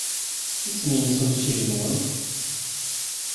Isem-nnes yimsujji-nwent?